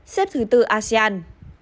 xếp thứ bốn asean